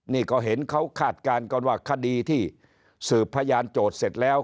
นี่ก็เห็นเขาคาดการณ์กันว่าคดีที่สืบพยานโจทย์เสร็จแล้ว